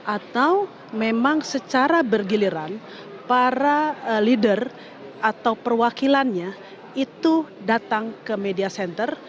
atau memang secara bergiliran para leader atau perwakilannya itu datang ke media center